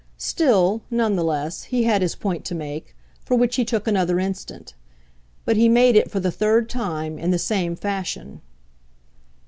Still, none the less, he had his point to make for which he took another instant. But he made it, for the third time, in the same fashion.